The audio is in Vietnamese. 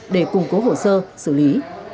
để củng cố hồ sơ xử lý